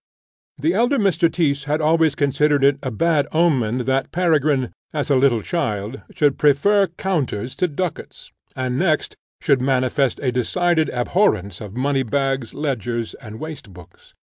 The elder Mr. Tyss had always considered it a bad omen that Peregrine, as a little child, should prefer counters to ducats, and next should manifest a decided abhorrence of moneybags, ledgers, and waste books.